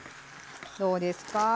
どうですか？